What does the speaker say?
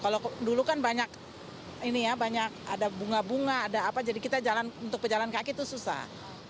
kalau dulu kan banyak ini ya banyak ada bunga bunga ada apa jadi kita untuk pejalan kaki itu susah